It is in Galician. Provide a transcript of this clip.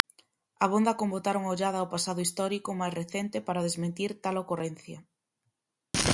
Abonda con botar unha ollada ao pasado histórico máis recente para desmentir tal ocorrencia.